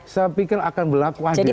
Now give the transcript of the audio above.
saya pikir akan berlaku